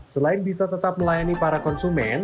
selain bisa tetap melayani para konsumen